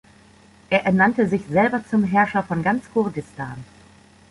Er ernannte sich selber zum Herrscher von ganz Kurdistan.